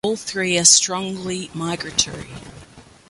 All three are strongly migratory.